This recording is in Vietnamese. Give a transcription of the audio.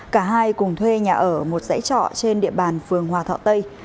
cả hai cùng thuê nhà ở một dãy trọ trên địa bàn phường hòa thọ tây